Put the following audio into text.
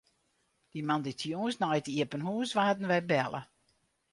De moandeitejûns nei it iepen hûs waarden wy belle.